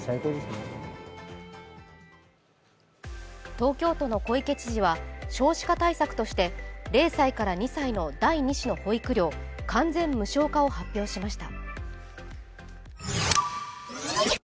東京都の小池知事は少子化対策として０歳から２歳の第２子の保育料完全無償化を発表しました。